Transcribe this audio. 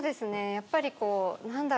やっぱりこう何だろうな。